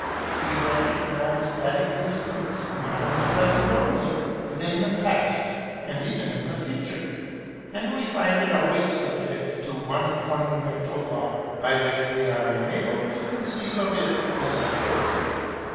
We recognize that existence not in the Present only, but in the Past, and even in the Future: and we find it always subject to one fundamental Law, by which we are enabled to conceive of it as a whole.